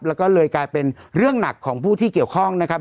แล้วก็เลยกลายเป็นเรื่องหนักของผู้ที่เกี่ยวข้องนะครับ